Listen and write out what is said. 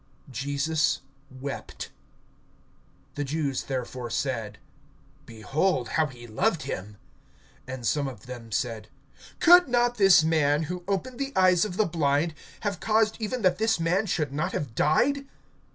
(35)Jesus wept. (36)The Jews therefore said: Behold how he loved him! (37)And some of them said: Could not this man, who opened the eyes of the blind, have caused even that this man should not have died?